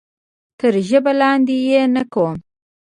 تر ژبه لاندې یې نه کوم.